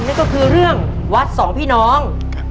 นั่นก็คือเรื่องวัดสองพี่น้อง